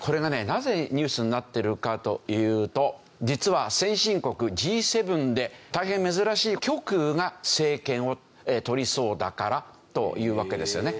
なぜニュースになってるかというと実は先進国Ｇ７で大変珍しい極右が政権をとりそうだからというわけですよね。